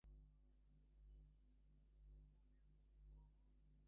The bowl was sponsored by the Phoenix and Valley of the Sun Kiwanis Clubs.